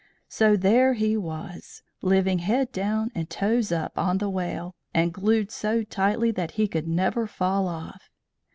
So there he was, living head down and toes up on the whale, and glued so tightly that he could never fall off.